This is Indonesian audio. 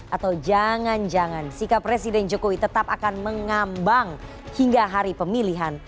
atau jangan jangan sikap presiden jokowi tetap akan mengambang hingga hari pemilihan